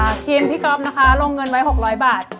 ทีมพี่ก๊อฟนะคะลงเงินไว้๖๐๐บาท